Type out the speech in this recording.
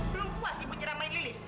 belum puas ibu nyeram main lilis hah